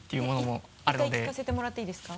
１回聞かせてもらっていいですか？